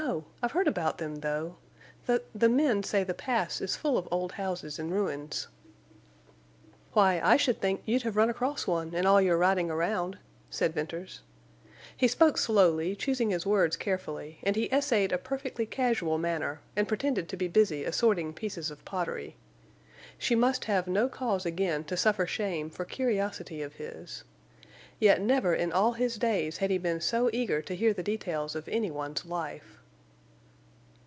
I've heard about them, though. The—the men say the Pass is full of old houses and ruins." "Why, I should think you'd have run across one in all your riding around," said Venters. He spoke slowly, choosing his words carefully, and he essayed a perfectly casual manner, and pretended to be busy assorting pieces of pottery. She must have no cause again to suffer shame for curiosity of his. Yet never in all his days had he been so eager to hear the details of anyone's life.